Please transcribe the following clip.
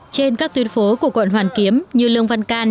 trên các tuyến phố của quận hoàn kiếm như lương văn can